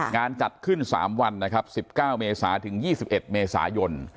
งานจัดขึ้น๓วัน๑๙เมษาถึง๒๑เมษายน